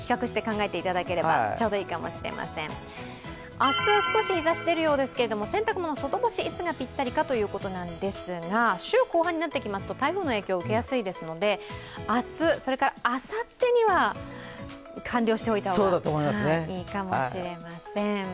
明日、少し日ざし、出るようですけれども洗濯物、外干しいつがぴったりかということですが週後半になってきますと台風の影響受けやすいですので明日、それからあさってには完了しておいた方がいいかもしれません。